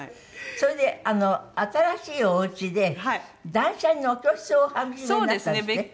それで新しいおうちで断捨離のお教室をお始めになったんですって？